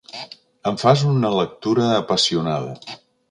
En fas una lectura apassionada.